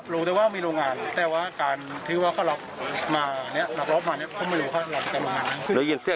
รู้แต่ว่ามีโรงงานแต่ว่าการพิวว่าเขาหลับมาเนี่ย